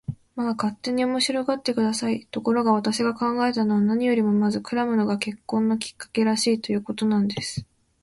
まあ、勝手に面白がって下さい。ところが、私が考えたのは、何よりもまずクラムが結婚のきっかけらしい、ということなんです。